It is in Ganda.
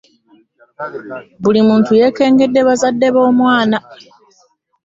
Buli muntu yeekengedde bazadde b'omwana.